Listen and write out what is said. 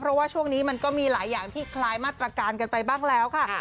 เพราะว่าช่วงนี้มันก็มีหลายอย่างที่คลายมาตรการกันไปบ้างแล้วค่ะ